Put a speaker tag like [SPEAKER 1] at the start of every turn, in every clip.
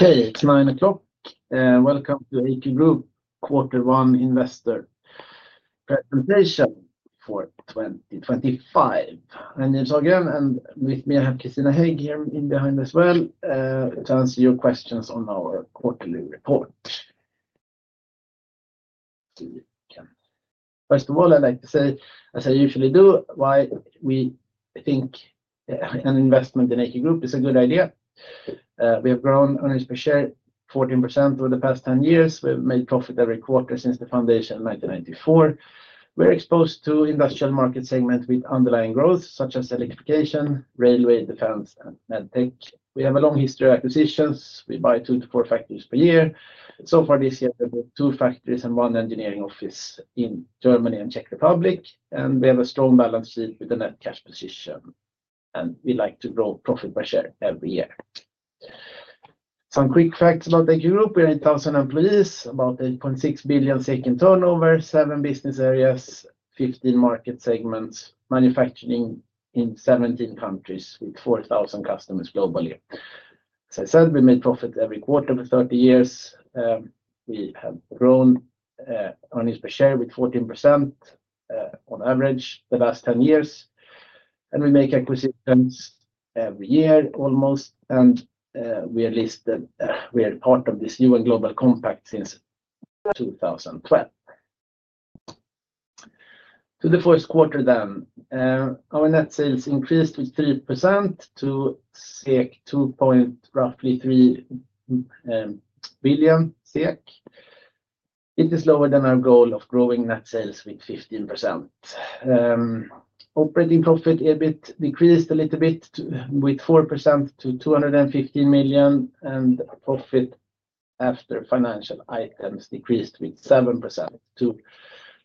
[SPEAKER 1] Okay, it's 9:00 A.M. Welcome to AQ Group quarter one Investor presentation for 2025. In this audience, and with me, I have Christina Hegg here in behind as well, to answer your questions on our quarterly report. First of all, I'd like to say, as I usually do, why we think an investment in AQ Group is a good idea. We have grown earnings per share 14% over the past 10 years. We've made profit every quarter since the foundation in 1994. We're exposed to industrial market segments with underlying growth, such as electrification, railway, defense, and medtech. We have a long history of acquisitions. We buy two to four factories per year. So far this year, we have two factories and one engineering office in Germany and the Czech Republic. We have a strong balance sheet with a net cash position. We like to grow profit per share every year. Some quick facts about AQ Group: we are 8,000 employees, about 8.6 billion turnover, seven business areas, 15 market segments, manufacturing in 17 countries with 4,000 customers globally. As I said, we made profit every quarter for 30 years. We have grown earnings per share with 14% on average the last 10 years. We make acquisitions every year almost. We are listed. We are part of this UN Global Compact since 2012. To the first quarter then, our net sales increased with 3% to roughly 3 billion SEK. It is lower than our goal of growing net sales with 15%. Operating profit EBIT decreased a little bit with 4% to 215 million, and profit after financial items decreased with 7% to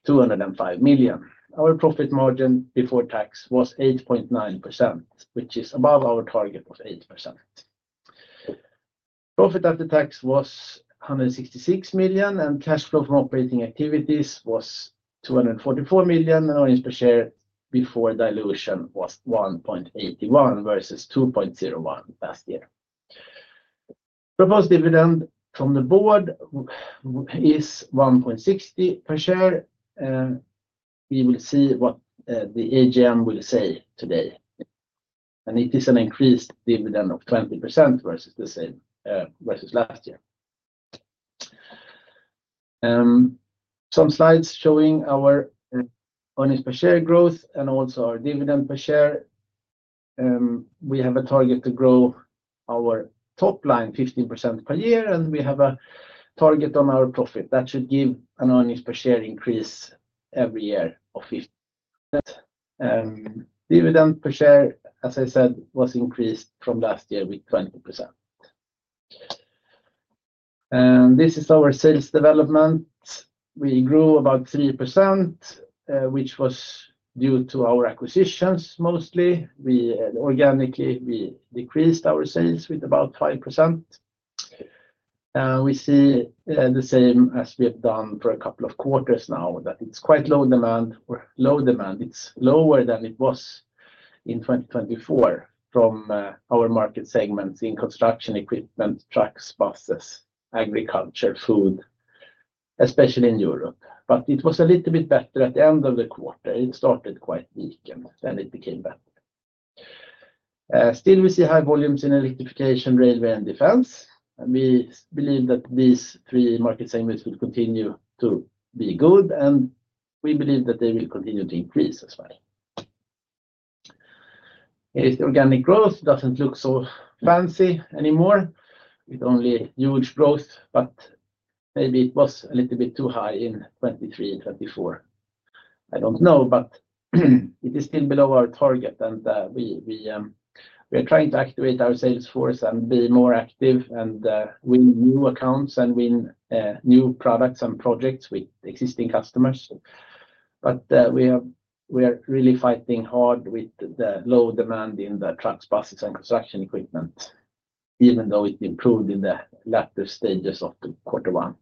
[SPEAKER 1] 205 million. Our profit margin before tax was 8.9%, which is above our target of 8%. Profit after tax was 166 million, and cash flow from operating activities was 244 million, and earnings per share before dilution was 1.81 versus 2.01 last year. Proposed dividend from the board is 1.60 per share. We will see what the AGM will say today. It is an increased dividend of 20% versus last year. Some slides showing our earnings per share growth and also our dividend per share. We have a target to grow our top line 15% per year, and we have a target on our profit that should give an earnings per share increase every year of 15%. Dividend per share, as I said, was increased from last year with 20%. This is our sales development. We grew about 3%, which was due to our acquisitions mostly. Organically, we decreased our sales with about 5%. We see the same as we have done for a couple of quarters now, that it's quite low demand. It's lower than it was in 2024 from our market segments in construction, equipment, trucks, buses, agriculture, food, especially in Europe. It was a little bit better at the end of the quarter. It started quite weak, and then it became better. Still, we see high volumes in electrification, railway, and defense. We believe that these three market segments will continue to be good, and we believe that they will continue to increase as well. Organic growth doesn't look so fancy anymore with only huge growth, but maybe it was a little bit too high in 2023 and 2024. I don't know, but it is still below our target, and we are trying to activate our sales force and be more active and win new accounts and win new products and projects with existing customers. We are really fighting hard with the low demand in the trucks, buses, and construction equipment, even though it improved in the latter stages of quarter one.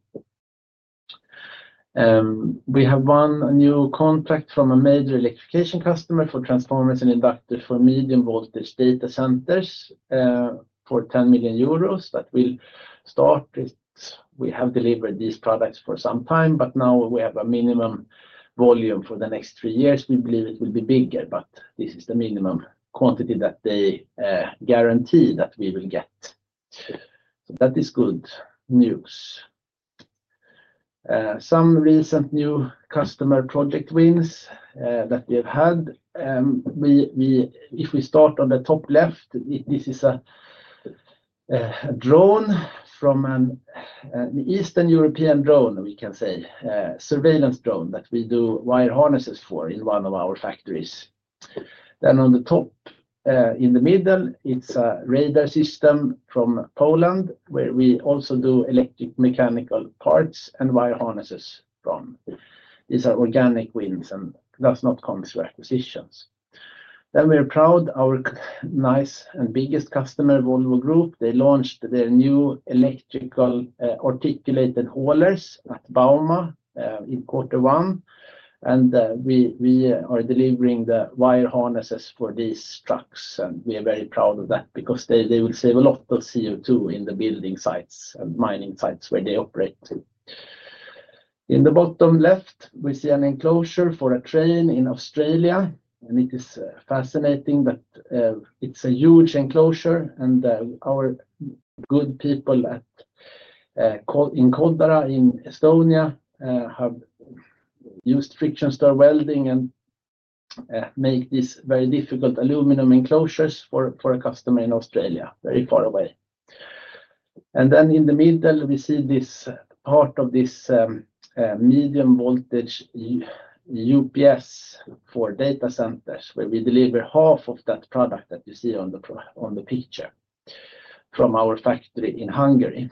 [SPEAKER 1] We have one new contract from a major electrification customer for transformers and inductors for medium voltage data centers for 10 million euros that will start. We have delivered these products for some time, but now we have a minimum volume for the next three years. We believe it will be bigger, but this is the minimum quantity that they guarantee that we will get. That is good news. Some recent new customer project wins that we have had. If we start on the top left, this is a drone from an Eastern European drone, we can say, surveillance drone that we do wire harnesses for in one of our factories. On the top in the middle, it's a radar system from Poland where we also do electromechanical parts and wire harnesses from. These are organic wins and do not come through acquisitions. We are proud of our nice and biggest customer, Volvo Group. They launched their new electrical articulated haulers at Bauma in quarter one. We are delivering the wire harnesses for these trucks, and we are very proud of that because they will save a lot of CO2 in the building sites and mining sites where they operate. In the bottom left, we see an enclosure for a train in Australia, and it is fascinating that it's a huge enclosure, and our good people in Kodara in Estonia have used friction stir welding and made these very difficult aluminum enclosures for a customer in Australia very far away. In the middle, we see this part of this medium voltage UPS for data centers where we deliver half of that product that you see on the picture from our factory in Hungary.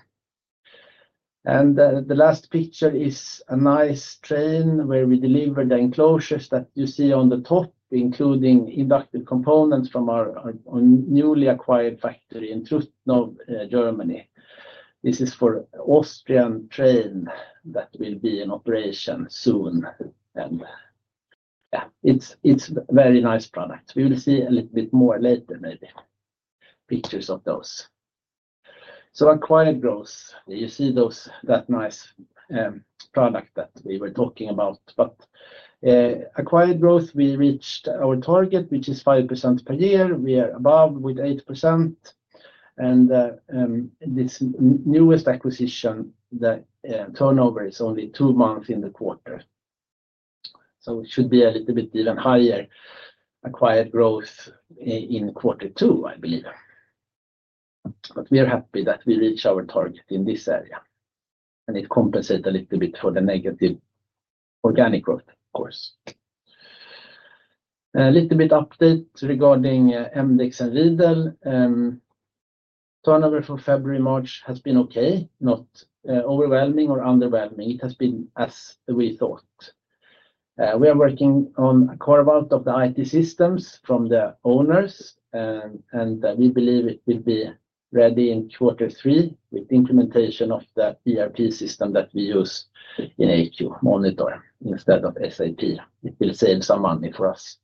[SPEAKER 1] The last picture is a nice train where we deliver the enclosures that you see on the top, including inductive components from our newly acquired factory in Trutnov, Germany. This is for an Austrian train that will be in operation soon. Yeah, it's a very nice product. We will see a little bit more later, maybe, pictures of those. Acquired growth, you see that nice product that we were talking about. Acquired growth, we reached our target, which is 5% per year. We are above with 8%. This newest acquisition, the turnover is only two months in the quarter. It should be a little bit even higher, acquired growth in quarter two, I believe. We are happy that we reached our target in this area. It compensates a little bit for the negative organic growth, of course. A little bit of update regarding mdexx and Riedel. Turnover for February and March has been okay, not overwhelming or underwhelming. It has been as we thought. We are working on a carve-out of the IT systems from the owners, and we believe it will be ready in quarter three with the implementation of the ERP system that we use in AQ Monitor instead of SAP. It will save some money for us.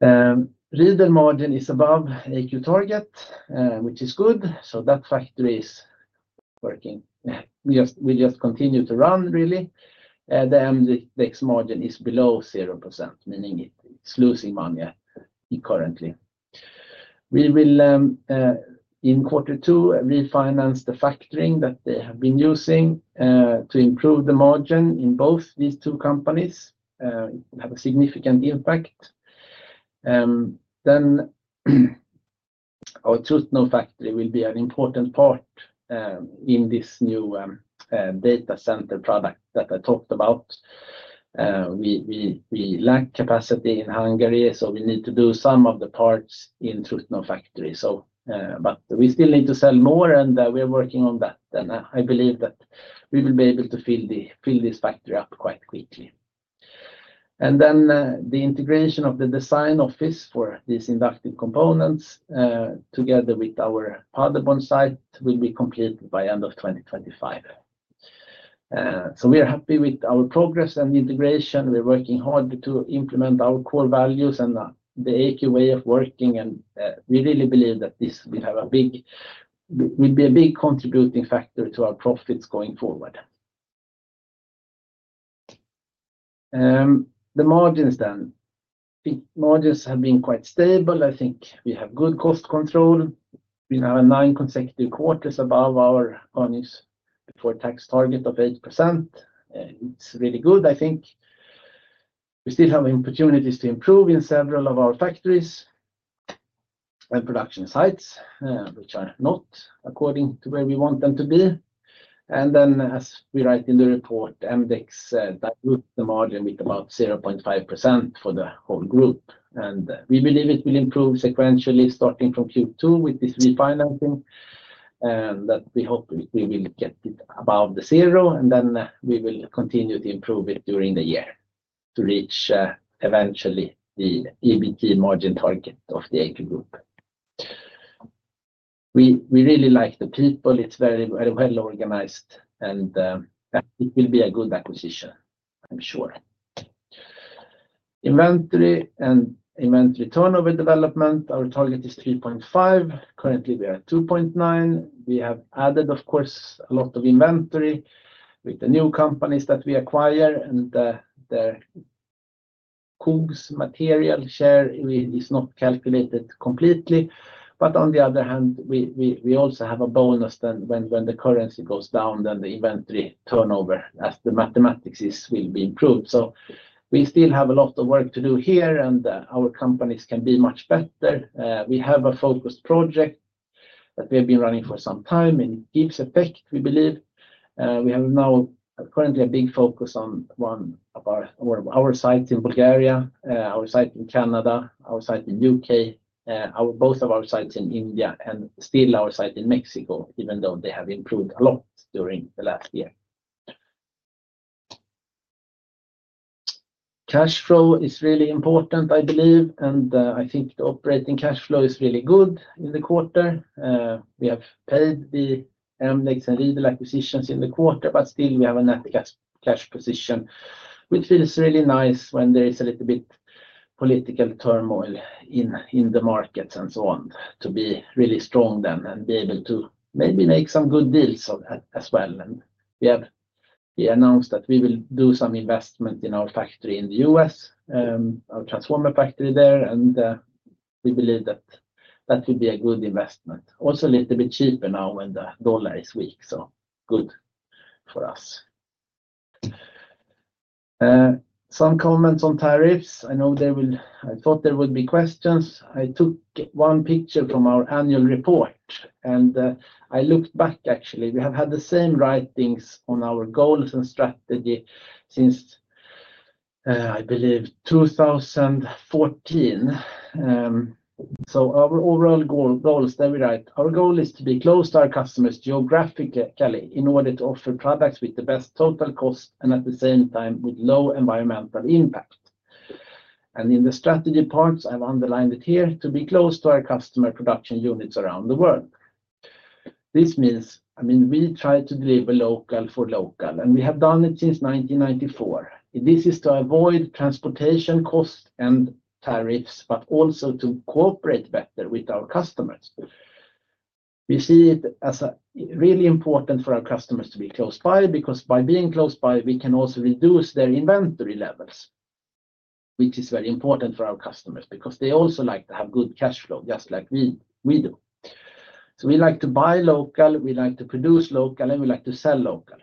[SPEAKER 1] Riedel margin is above AQ target, which is good. That factory is working. We just continue to run, really. The mdexx margin is below 0%, meaning it is losing money currently. We will, in quarter two, refinance the factoring that they have been using to improve the margin in both these two companies. It will have a significant impact. Our Trutnov factory will be an important part in this new data center product that I talked about. We lack capacity in Hungary, so we need to do some of the parts in Trutnov factory. We still need to sell more, and we are working on that. I believe that we will be able to fill this factory up quite quickly. The integration of the design office for these inductive components together with our Palenberg site will be completed by the end of 2025. We are happy with our progress and integration. We're working hard to implement our core values and the AQ way of working. We really believe that this will be a big contributing factor to our profits going forward. The margins then. Margins have been quite stable. I think we have good cost control. We now have nine consecutive quarters above our earnings before tax target of 8%. It's really good, I think. We still have opportunities to improve in several of our factories and production sites, which are not according to where we want them to be. As we write in the report, mdexx dilutes the margin with about 0.5% for the whole group. We believe it will improve sequentially starting from Q2 with this refinancing, and we hope we will get it above zero. We will continue to improve it during the year to reach eventually the EBT margin target of the AQ Group. We really like the people. It is very well organized, and it will be a good acquisition, I am sure. Inventory and inventory turnover development. Our target is 3.5. Currently, we are at 2.9. We have added, of course, a lot of inventory with the new companies that we acquire. The KOGS material share is not calculated completely. On the other hand, we also have a bonus when the currency goes down, then the inventory turnover, as the mathematics will be improved. We still have a lot of work to do here, and our companies can be much better. We have a focused project that we have been running for some time, and it gives effect, I believe. We have now currently a big focus on one of our sites in Bulgaria, our site in Canada, our site in the U.K., both of our sites in India, and still our site in Mexico, even though they have improved a lot during the last year. Cash flow is really important, I believe. I think the operating cash flow is really good in the quarter. We have paid the mdexx and Riedel acquisitions in the quarter, but still we have a net cash position, which feels really nice when there is a little bit of political turmoil in the markets and so on to be really strong then and be able to maybe make some good deals as well. We have announced that we will do some investment in our factory in the U.S., our transformer factory there. We believe that that will be a good investment. Also a little bit cheaper now when the dollar is weak, so good for us. Some comments on tariffs. I know there will, I thought there would be questions. I took one picture from our annual report, and I looked back, actually. We have had the same writings on our goals and strategy since, I believe, 2014. Our overall goals, they will write, our goal is to be close to our customers geographically in order to offer products with the best total cost and at the same time with low environmental impact. In the strategy parts, I've underlined it here, to be close to our customer production units around the world. This means, I mean, we try to deliver local for local, and we have done it since 1994. This is to avoid transportation costs and tariffs, but also to cooperate better with our customers. We see it as really important for our customers to be close by because by being close by, we can also reduce their inventory levels, which is very important for our customers because they also like to have good cash flow, just like we do. We like to buy local, we like to produce local, and we like to sell local.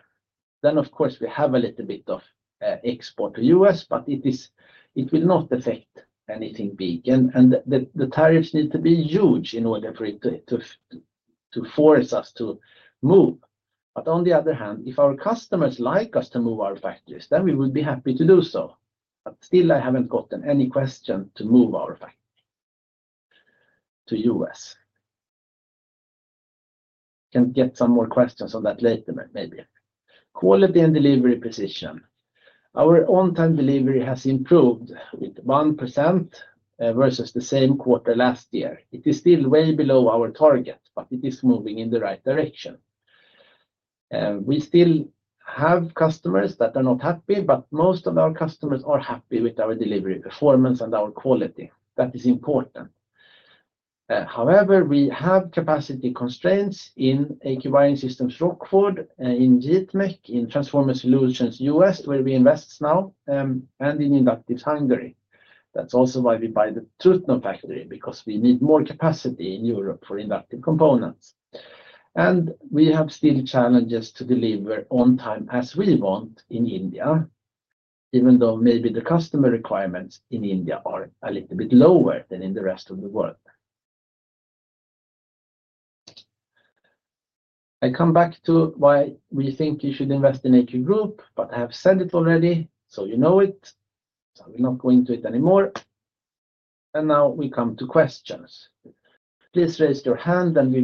[SPEAKER 1] Of course, we have a little bit of export to the U.S., but it will not affect anything big. The tariffs need to be huge in order for it to force us to move. On the other hand, if our customers like us to move our factories, then we would be happy to do so. Still, I haven't gotten any question to move our factory to the U.S. Can get some more questions on that later, maybe. Quality and delivery position. Our on-time delivery has improved with 1% versus the same quarter last year. It is still way below our target, but it is moving in the right direction. We still have customers that are not happy, but most of our customers are happy with our delivery performance and our quality. That is important. However, we have capacity constraints in AQ Wiring Systems Rockford, in Jit Mech, in Transformer Solutions U.S., where we invest now, and in Inductive Hungary. That is also why we buy the Trutnov factory, because we need more capacity in Europe for inductive components. We have still challenges to deliver on time as we want in India, even though maybe the customer requirements in India are a little bit lower than in the rest of the world. I come back to why we think you should invest in AQ Group, but I have said it already, so you know it. I will not go into it anymore. Now we come to questions. Please raise your hand, and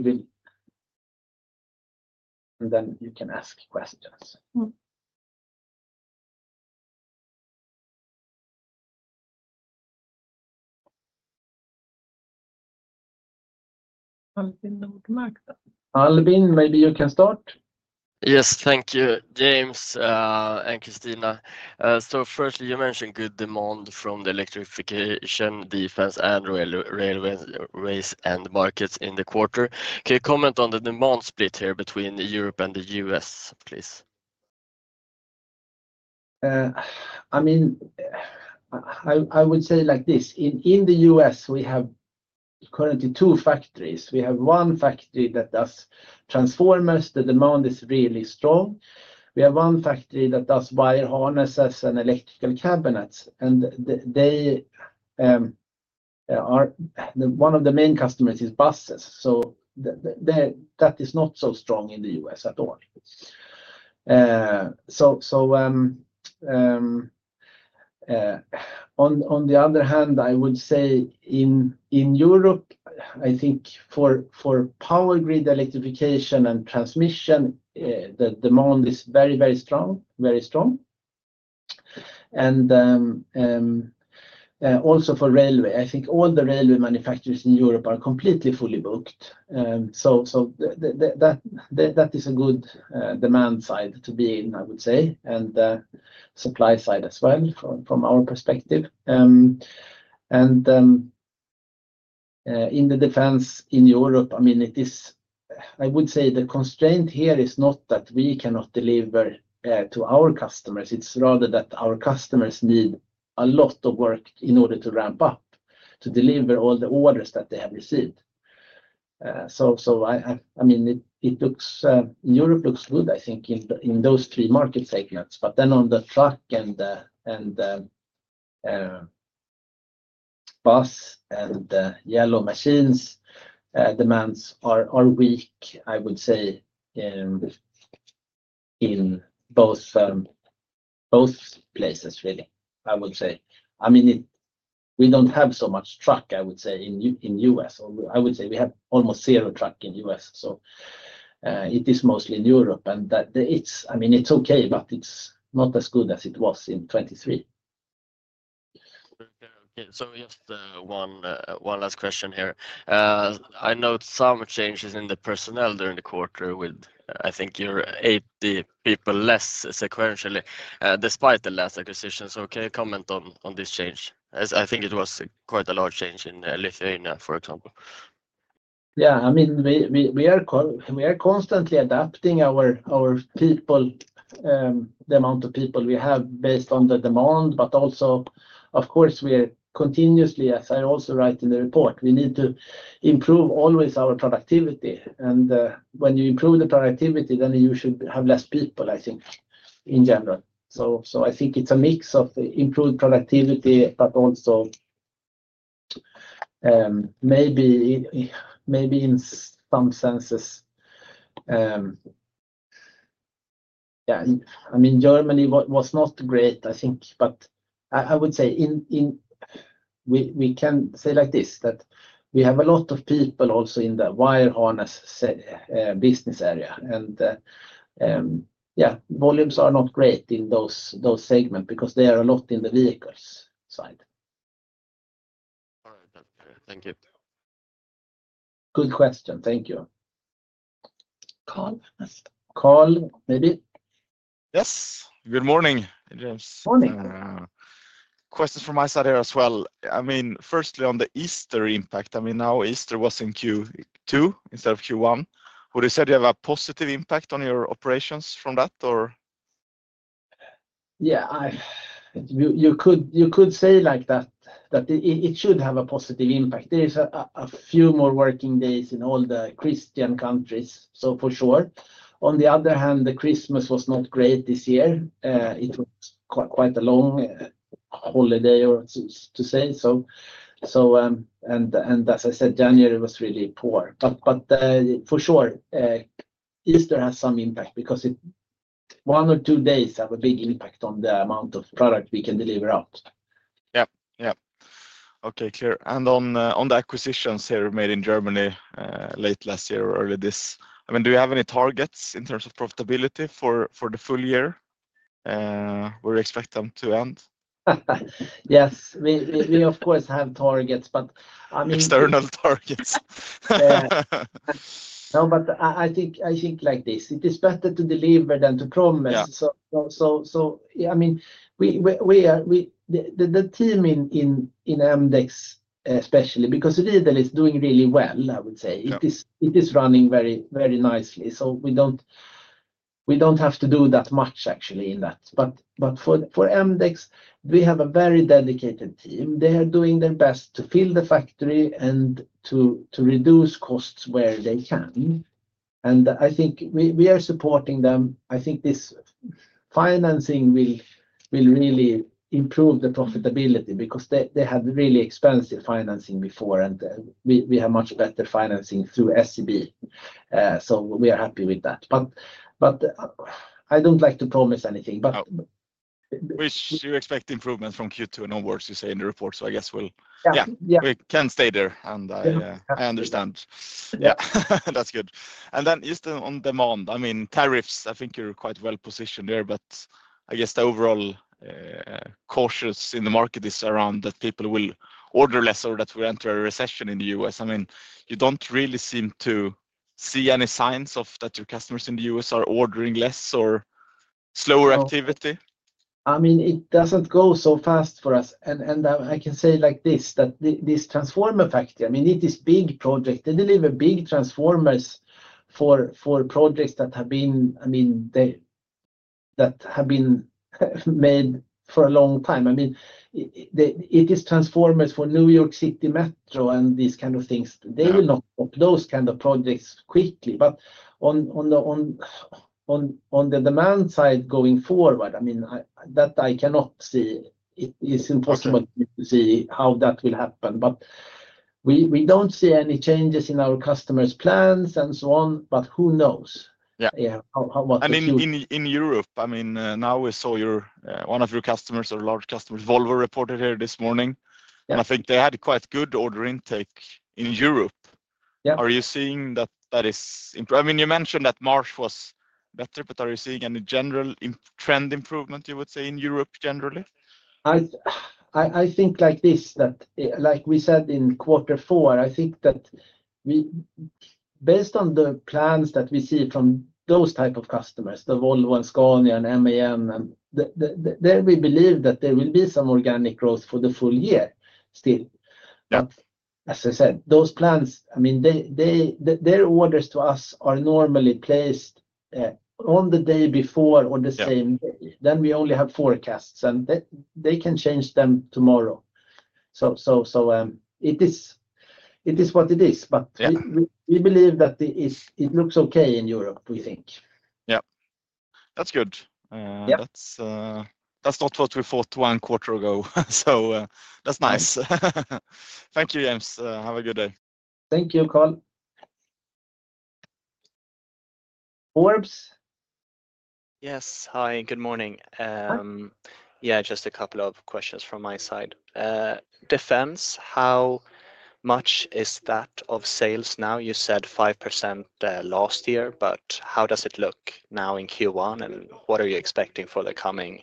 [SPEAKER 1] then you can ask questions. Albin, maybe you can start. Yes, thank you, James and Christina. Firstly, you mentioned good demand from the electrification, defense, and race and markets in the quarter. Can you comment on the demand split here between Europe and the U.S., please? I mean, I would say like this. In the U.S., we have currently two factories. We have one factory that does transformers. The demand is really strong. We have one factory that does wire harnesses and electrical cabinets. One of the main customers is buses. That is not so strong in the U.S. at all. On the other hand, I would say in Europe, I think for power grid electrification and transmission, the demand is very, very strong, very strong. Also for railway, I think all the railway manufacturers in Europe are completely fully booked. That is a good demand side to be in, I would say, and supply side as well from our perspective. In the defense in Europe, I mean, I would say the constraint here is not that we cannot deliver to our customers. It is rather that our customers need a lot of work in order to ramp up to deliver all the orders that they have received. I mean, it looks in Europe looks good, I think, in those three market segments. But then on the truck and bus and yellow machines, demands are weak, I would say, in both places, really, I would say. I mean, we do not have so much truck, I would say, in the U.S. I would say we have almost zero truck in the U.S. It is mostly in Europe. I mean, it is okay, but it is not as good as it was in 2023. Okay. Just one last question here. I noted some changes in the personnel during the quarter with, I think, your 80 people less sequentially despite the last acquisition. Can you comment on this change? I think it was quite a large change in Lithuania, for example. Yeah. I mean, we are constantly adapting our people, the amount of people we have based on the demand. Also, of course, we are continuously, as I also write in the report, we need to improve always our productivity. When you improve the productivity, then you should have less people, I think, in general. I think it's a mix of improved productivity, but also maybe in some senses. Yeah. I mean, Germany was not great, I think. I would say we can say like this that we have a lot of people also in the wire harness business area. Yeah, volumes are not great in those segments because they are a lot in the vehicles side. All right. Thank you. Good question. Thank you. Carl, maybe? Yes. Good morning, James. Morning. Questions from my side here as well. I mean, firstly, on the Easter impact, I mean, now Easter was in Q2 instead of Q1. Would you say you have a positive impact on your operations from that, or? Yeah. You could say like that, that it should have a positive impact. There is a few more working days in all the Christian countries, so for sure. On the other hand, the Christmas was not great this year. It was quite a long holiday, or to say so. As I said, January was really poor. For sure, Easter has some impact because one or two days have a big impact on the amount of product we can deliver out. Yeah. Yeah. Okay. Clear. On the acquisitions here made in Germany late last year or early this, I mean, do you have any targets in terms of profitability for the full year? Would you expect them to end? Yes. We, of course, have targets, but I mean. External targets. No, but I think like this. It is better to deliver than to promise. I mean, the team in mdexx, especially, because Riedel is doing really well, I would say. It is running very nicely. We do not have to do that much, actually, in that. For mdexx, we have a very dedicated team. They are doing their best to fill the factory and to reduce costs where they can. I think we are supporting them. I think this financing will really improve the profitability because they had really expensive financing before, and we have much better financing through SEB. We are happy with that. I do not like to promise anything, but we expect improvements from Q2 and onwards, you say, in the report. I guess we'll, yeah, we can stay there. I understand. Yeah. That's good. Then just on demand, I mean, tariffs, I think you're quite well positioned there. I guess the overall cautious in the market is around that people will order less or that we enter a recession in the U.S. I mean, you don't really seem to see any signs of that, your customers in the U.S. are ordering less or slower activity. I mean, it doesn't go so fast for us. I can say like this, that this transformer factory, I mean, it is a big project. They deliver big transformers for projects that have been, I mean, that have been made for a long time. I mean, it is transformers for New York City Metro and these kind of things. They will not stop those kind of projects quickly. On the demand side going forward, I mean, that I cannot see. It is impossible to see how that will happen. We don't see any changes in our customers' plans and so on, but who knows what to say. I mean, in Europe, I mean, now we saw one of your customers, a large customer, Volvo, reported here this morning. I think they had quite good order intake in Europe. Are you seeing that that is? I mean, you mentioned that March was better, but are you seeing any general trend improvement, you would say, in Europe generally? I think like this, that like we said in quarter four, I think that based on the plans that we see from those type of customers, the Volvo and Scania and MAN, then we believe that there will be some organic growth for the full year still. As I said, those plans, I mean, their orders to us are normally placed on the day before or the same day. We only have forecasts, and they can change them tomorrow. It is what it is. We believe that it looks okay in Europe, we think. Yeah. That's good. That's not what we thought one quarter ago. That's nice. Thank you, James. Have a good day. Thank you, Carl. Olof. Yes. Hi. Good morning. Yeah. Just a couple of questions from my side. Defense, how much is that of sales now? You said 5% last year, but how does it look now in Q1, and what are you expecting for the coming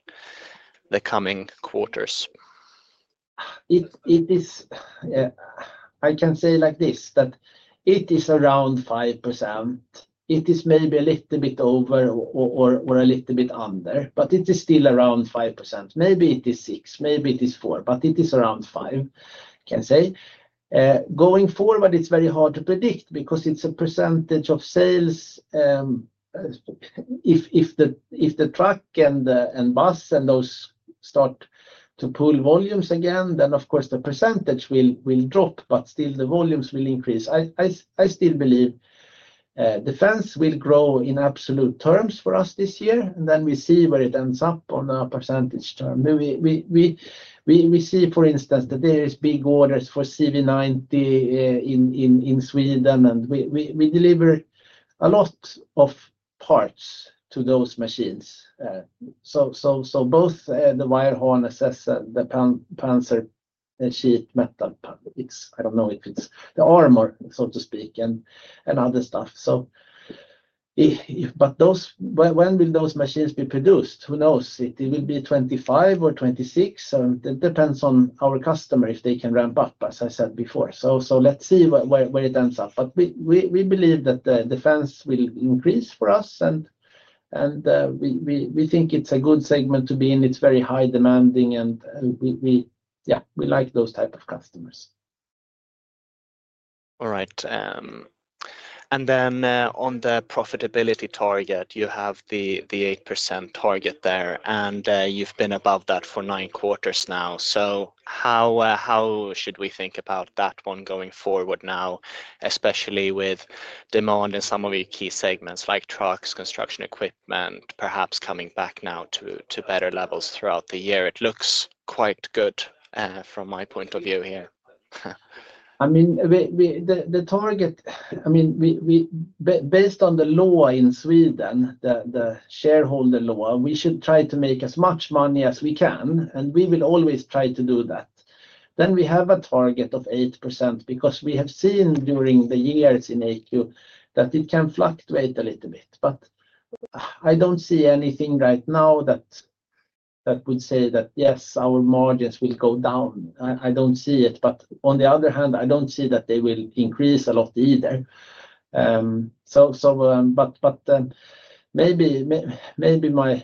[SPEAKER 1] quarters? I can say like this, that it is around 5%. It is maybe a little bit over or a little bit under, but it is still around 5%. Maybe it is 6%, maybe it is 4%, but it is around 5%, I can say. Going forward, it's very hard to predict because it's a percentage of sales. If the truck and bus and those start to pull volumes again, then, of course, the percentage will drop, but still the volumes will increase. I still believe defense will grow in absolute terms for us this year, and then we see where it ends up on a percentage term. We see, for instance, that there are big orders for CV90 in Sweden, and we deliver a lot of parts to those machines. Both the wire harnesses and the parts are sheet metal. I don't know if it's the armor, so to speak, and other stuff. When will those machines be produced? Who knows? It will be 2025 or 2026. It depends on our customer if they can ramp up, as I said before. Let's see where it ends up. We believe that defense will increase for us, and we think it's a good segment to be in. It's very high demanding, and yeah, we like those type of customers. All right. On the profitability target, you have the 8% target there, and you've been above that for nine quarters now. How should we think about that one going forward now, especially with demand in some of your key segments like trucks, construction equipment, perhaps coming back now to better levels throughout the year? It looks quite good from my point of view here. I mean, the target, I mean, based on the law in Sweden, the shareholder law, we should try to make as much money as we can, and we will always try to do that. We have a target of 8% because we have seen during the years in AQ that it can fluctuate a little bit. I do not see anything right now that would say that, yes, our margins will go down. I do not see it. On the other hand, I do not see that they will increase a lot either. Maybe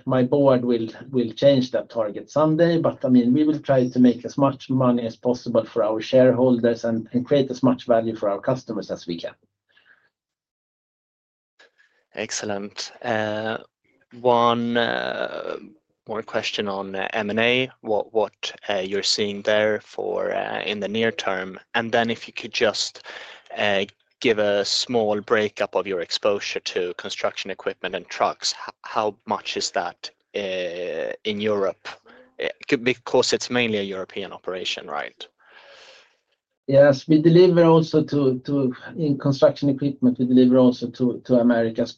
[SPEAKER 1] my board will change that target someday. I mean, we will try to make as much money as possible for our shareholders and create as much value for our customers as we can. Excellent. One more question on M&A, what you are seeing there in the near term. If you could just give a small breakup of your exposure to construction equipment and trucks, how much is that in Europe? Because it is mainly a European operation, right? Yes. We deliver also to, in construction equipment, we deliver also to Americas.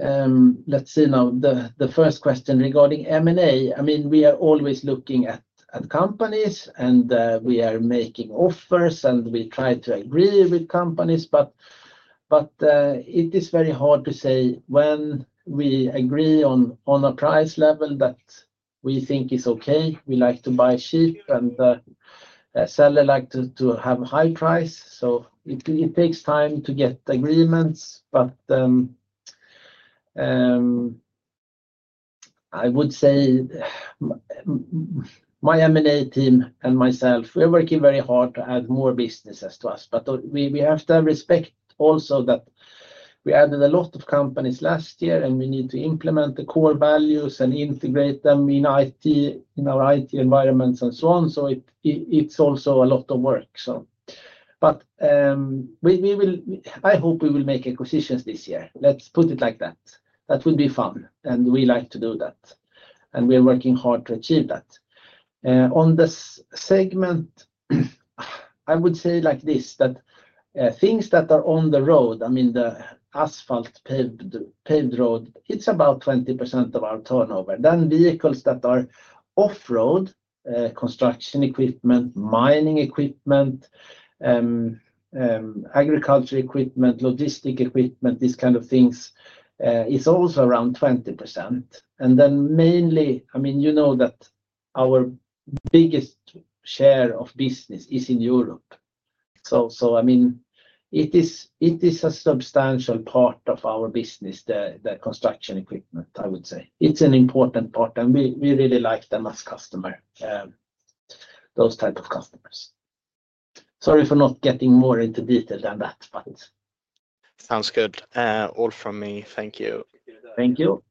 [SPEAKER 1] Let's see now the first question regarding M&A. I mean, we are always looking at companies, and we are making offers, and we try to agree with companies. It is very hard to say when we agree on a price level that we think is okay. We like to buy cheap, and sellers like to have a high price. It takes time to get agreements. I would say my M&A team and myself, we are working very hard to add more businesses to us. We have to have respect also that we added a lot of companies last year, and we need to implement the core values and integrate them in our IT environments and so on. It is also a lot of work. I hope we will make acquisitions this year. Let's put it like that. That would be fun. We like to do that, and we are working hard to achieve that. On the segment, I would say like this, that things that are on the road, I mean, the asphalt paved road, it's about 20% of our turnover. Then vehicles that are off-road, construction equipment, mining equipment, agriculture equipment, logistic equipment, these kind of things, it's also around 20%. Mainly, I mean, you know that our biggest share of business is in Europe. I mean, it is a substantial part of our business, the construction equipment, I would say. It's an important part. And we really like them as customers, those type of customers. Sorry for not getting more into detail than that, but. Sounds good. All from me. Thank you. Thank you.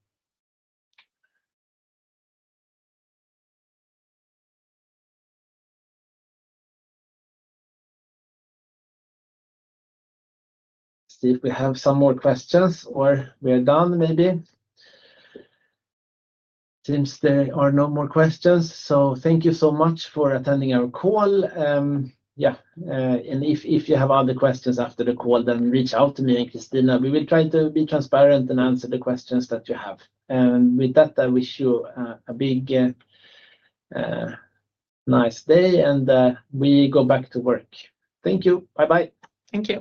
[SPEAKER 1] See if we have some more questions or we are done, maybe. Seems there are no more questions. Thank you so much for attending our call. Yeah. If you have other questions after the call, then reach out to me and Christina. We will try to be transparent and answer the questions that you have. With that, I wish you a big nice day, and we go back to work. Thank you. Bye-bye.
[SPEAKER 2] Thank you.